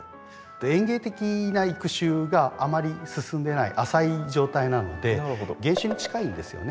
園芸的な育種があまり進んでない浅い状態なので原種に近いんですよね。